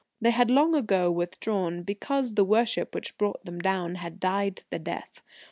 They had long ago withdrawn because the worship which brought them down had died the death.